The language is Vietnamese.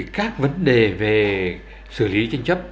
các vấn đề về xử lý tranh chấp